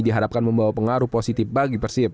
diharapkan membawa pengaruh positif bagi persib